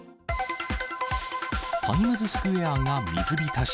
タイムズスクエアが水浸し。